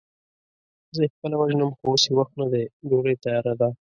زه يې خپله وژنم، خو اوس يې وخت نه دی، ډوډۍ تياره ده.